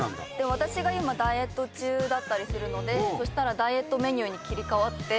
私が今ダイエット中だったりするのでそしたらダイエットメニューに切り替わって。